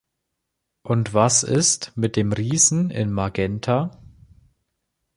Und was ist mit dem Riesen in Magenta?